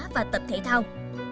và tập thể thao